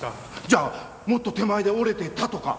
じゃあもっと手前で折れていたとか。